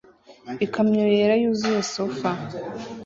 Ikamyo yera yuzuye sofa